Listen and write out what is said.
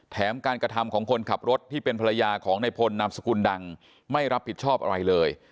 แถมการกระทำของคนขับรถที่เป็นภรรยาของในพลนามสกุลดังไม่รับผิดชอบอะไรเลย